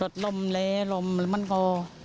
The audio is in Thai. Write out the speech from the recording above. ตัดล้มและล้มมันก็